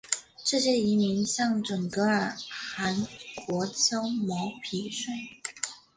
这些遗民向准噶尔汗国交毛皮税。